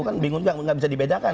kan bingung juga nggak bisa dibedakan